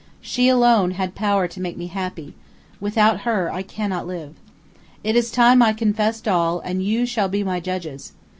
She alone had power to make me happy; without her I cannot live. It is time I confessed all, and you shall be my judges.